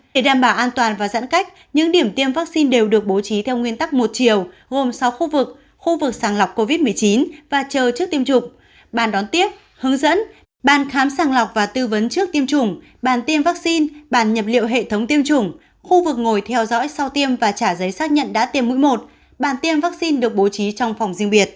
để đảm bảo an toàn và giãn cách những điểm tiêm vaccine đều được bố trí theo nguyên tắc một chiều gồm sáu khu vực khu vực sàng lọc covid một mươi chín và chờ trước tiêm chủng bàn đón tiếp hướng dẫn bàn khám sàng lọc và tư vấn trước tiêm chủng bàn tiêm vaccine bàn nhập liệu hệ thống tiêm chủng khu vực ngồi theo dõi sau tiêm và trả giấy xác nhận đã tiêm mũi một bàn tiêm vaccine được bố trí trong phòng riêng biệt